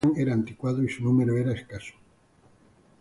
El equipo de la guarnición era anticuado y su número era escaso.